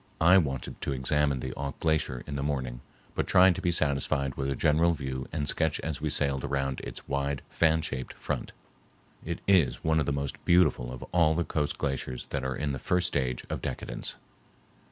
I wanted to examine the Auk Glacier in the morning, but tried to be satisfied with a general view and sketch as we sailed around its wide fan shaped front. It is one of the most beautiful of all the coast glaciers that are in the first stage of decadence.